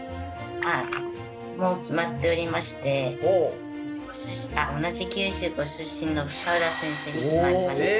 はいもう決まっておりまして同じ九州ご出身の深浦先生に決まりました。